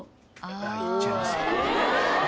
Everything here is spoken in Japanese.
いっちゃいます。